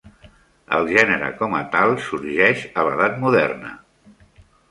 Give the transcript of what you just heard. El gènere com a tal sorgeix a l'Edat Moderna.